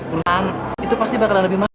perusahaan itu pasti bakalan lebih mahal